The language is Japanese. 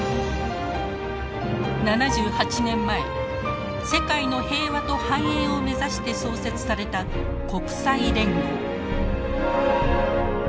７８年前「世界の平和と繁栄」を目指して創設された国際連合。